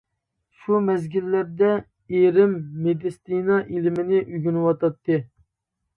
شۇ مەزگىللەردە ئېرىم مېدىتسىنا ئىلمىنى ئۆگىنىۋاتاتتى.